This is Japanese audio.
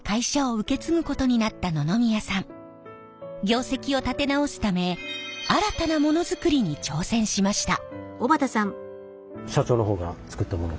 業績を立て直すため新たなものづくりに挑戦しました。